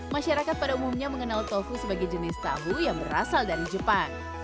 masyarakat pada umumnya mengenal tofu sebagai jenis tahu yang berasal dari jepang